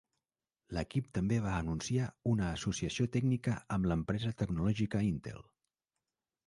L'equip també va anunciar una associació tècnica amb l'empresa tecnològica Intel.